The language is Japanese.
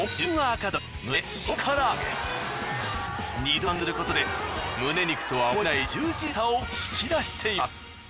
２度揚げすることでむね肉とは思えないジューシーさを引き出しています。